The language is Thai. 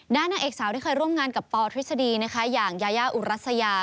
นางเอกสาวที่เคยร่วมงานกับปอทฤษฎีนะคะอย่างยายาอุรัสยา